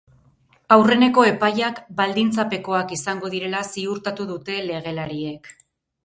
Aurreneko epaiak baldintzapekoak izango direla ziurtatu dute legelariek.